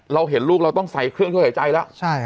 เราเห็นลูกเราต้องใส่เครื่องช่วยหายใจแล้ว